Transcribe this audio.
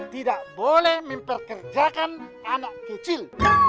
tidak boleh memperkerjakan anak kecil